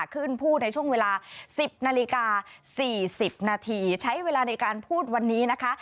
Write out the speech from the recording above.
ขึ้นพูดในช่วงเวลา๑๐นาฬิกา๔๐นาทีใช้เวลาในการพูดวันนี้นะคะ